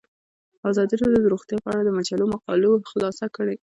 ازادي راډیو د روغتیا په اړه د مجلو مقالو خلاصه کړې.